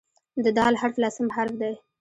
د "د" حرف لسم حرف دی.